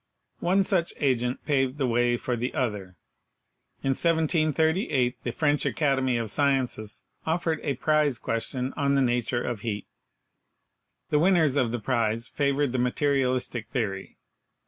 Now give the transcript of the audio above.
One such agent paved the way for the other. In 1738 the French Academy of Sciences offered a prize question on the nature of heat. The winners of the prize favored the materialistic theory.